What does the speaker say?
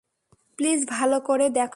Please, ভালো করে দেখো।